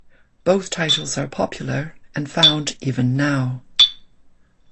Both titles are popular and found even now.